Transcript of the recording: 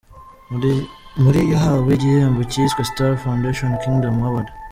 Muri yahawe igihembo cyiswe “Stars Foundation Kingdom Award”.